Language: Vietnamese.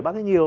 bác ấy nhiều